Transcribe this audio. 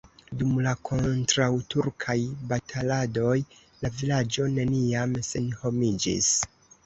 Dum la kontraŭturkaj bataladoj la vilaĝo neniam senhomiĝis.